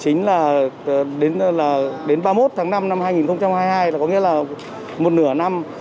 chính là đến ba mươi một tháng năm năm hai nghìn hai mươi hai là có nghĩa là một nửa năm